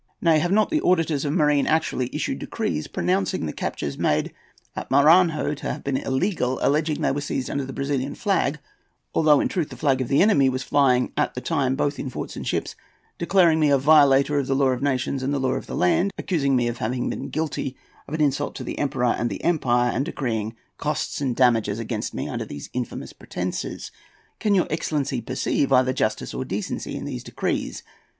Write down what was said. Nay, have not the auditors of marine actually issued decrees pronouncing the captures made at Maranhão to have been illegal, alleging that they were seized under the Brazilian flag, although in truth the flag of the enemy was flying at the time both in the forts and ships; declaring me a violator of the law of nations and law of the land; accusing me of having been guilty of an insult to the Emperor and the empire, and decreeing costs and damages against me under these infamous pretences? Can your excellency perceive either justice or decency in these decrees?